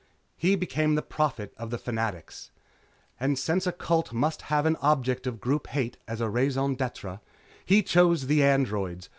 He became the Prophet of the Fanatics. And since a cult must have an object of group hate as a raison d'etre, he chose the androids.